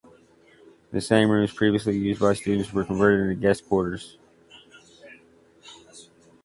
The same rooms previously used by students were converted into guest quarters.